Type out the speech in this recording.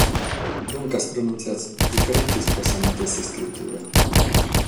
Duncas pronùntzias diferentes pro sa matessi iscritura.